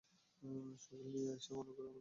উকিল নিয়া আইসা, মামলা করছে আমাদের নামে।